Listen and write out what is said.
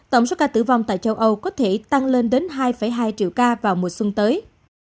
tử vong tại châu âu có thể tăng lên đến hai hai triệu ca vào mùa xuân tới